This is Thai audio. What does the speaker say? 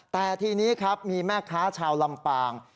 แต่ทีนี้ครับมีแม่ค้าชาวลำปาง